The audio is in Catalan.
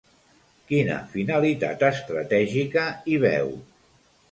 Quina finalitat estratègica hi veu?